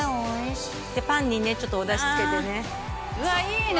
パンにねちょっとおだしつけてねうわいいね